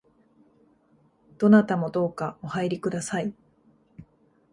どなたもどうかお入りください